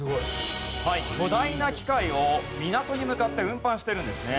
巨大な機械を港に向かって運搬しているんですね。